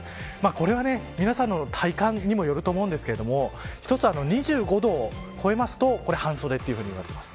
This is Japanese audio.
これは皆さんの体感にもよると思うんですけれども一つ、２５度を超えますと半袖と言われています。